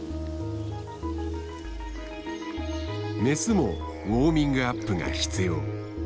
メスもウォーミングアップが必要。